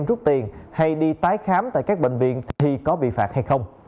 không rút tiền hay đi tái khám tại các bệnh viện thì có bị phạt hay không